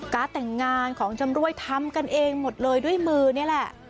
แต่งงานของจำรวยทำกันเองหมดเลยด้วยมือนี่แหละ